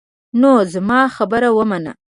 نو زما خبره ومنه.